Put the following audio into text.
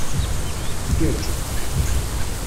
Ggaǧ.